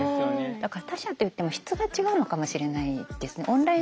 だから他者って言っても質が違うのかもしれないですね。